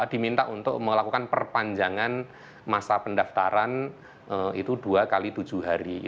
diminta untuk melakukan perpanjangan masa pendaftaran itu dua x tujuh hari